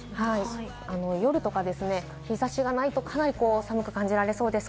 夜とか日差しがないと、かなり寒く感じられそうです。